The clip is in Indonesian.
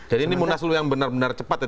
jadi ini munasulu yang benar benar cepat ya